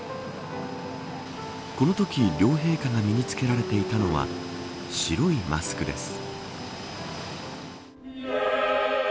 このとき両陛下が身に着けられていたのは白いマスクです。